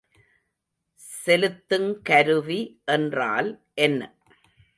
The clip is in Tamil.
செலுத்துங்கருவி என்றால் என்ன?